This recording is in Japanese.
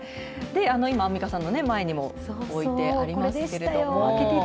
今、アンミカさんの前にも置いてありますけれども。